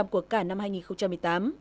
sáu bảy của cả năm hai nghìn một mươi tám